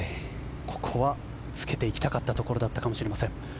ここはつけていきたかったところだったかもしれません。